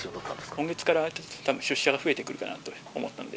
今月から出社が増えてくるかなと思ったんで。